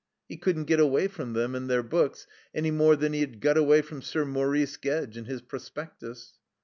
He couldn't get away from them and their books any more than he had got away from Sir Maurice Gedge and his prospectus.